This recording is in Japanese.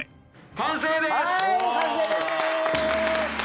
完成です！